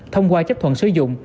thông qua chấp thuận sử dụng